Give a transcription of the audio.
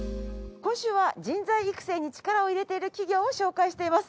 今週は人材育成に力を入れている企業を紹介しています。